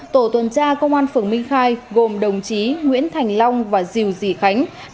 tổ tuần tra công an phường minh khai gồm đồng chí nguyễn thành long và diều dì khánh